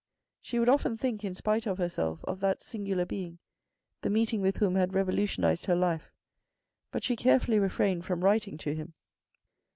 She would often think, in spite of herself, of that singular being, the meeting with whom had revolutionized her life. But she carefully refrained from writing to him.